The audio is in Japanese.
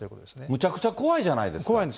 むちゃくちゃ怖いじゃないですか。